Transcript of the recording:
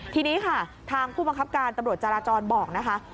ทีนี้ค่ะทางผู้บังคับการตำรวจจาราจรบอกนะคะ